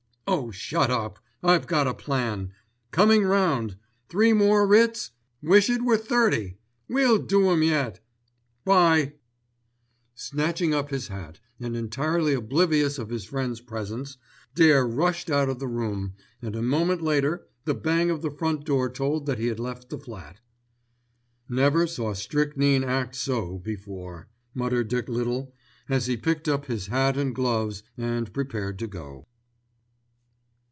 Oh, shut up! I've got a plan. Coming round. Three more writs? Wish it were thirty. We'll do 'em yet—'bye." Snatching up his hat and entirely oblivious of his friend's presence, Dare rushed out of the room; and a moment later the bang of the front door told that he had left the flat. "Never saw strychnine act so before," muttered Dick Little as he picked up his hat and gloves and prepared to go.